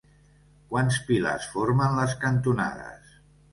Quants pilars formen les cantonades?